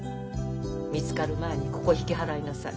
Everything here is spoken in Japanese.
見つかる前にここ引き払いなさい。